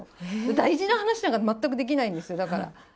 大事な話なんかまったくできないんですよ、だから。